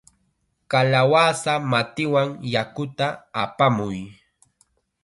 ¡Kalawasa matiwan yakuta apamuy!